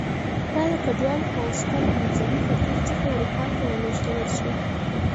دا د کډوالو په واسطه له منځني ختیځ څخه اروپا ته ولېږدول شوه